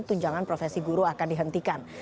tunjangan profesi guru akan dihentikan